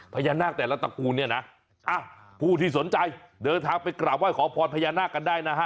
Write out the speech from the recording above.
พญานาคแต่ละตระกูลเนี่ยนะผู้ที่สนใจเดินทางไปกราบไห้ขอพรพญานาคกันได้นะฮะ